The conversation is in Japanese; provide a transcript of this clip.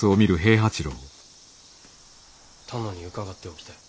殿に伺っておきたい。